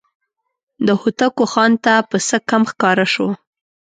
د هوتکو خان ته پسه کم ښکاره شو.